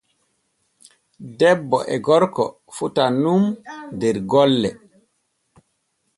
Debbo e gorko fotan nun der golle.